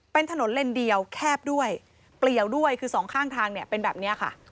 เป็นถนนเลนเดียวแคบด้วยเปลี่ยวด้วยคือสองข้างทางเนี่ยเป็นแบบนี้ค่ะ